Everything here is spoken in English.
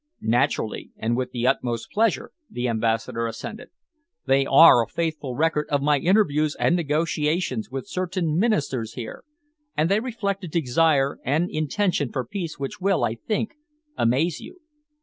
"Naturally, and with the utmost pleasure," the Ambassador assented. "They are a faithful record of my interviews and negotiations with certain Ministers here, and they reflect a desire and intention for peace which will, I think, amaze you.